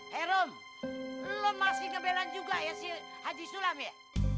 hei rum lo masih kebelan juga ya si haji sulam ya